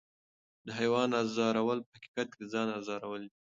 د حیوان ازارول په حقیقت کې د ځان ازارول دي.